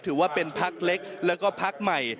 ถือว่าเป็นพักเล็กแล้วก็พักใหม่